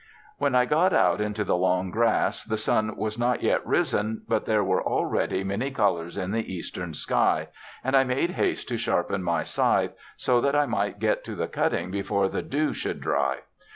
When I got out into the long grass the sun was not yet risen, but there were already many colors in the eastern sky, and I made haste to sharpen my scythe, so that I might get to the cutting before the dew should dry.